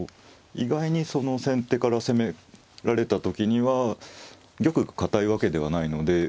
意外にその先手から攻められた時には玉が堅いわけではないので。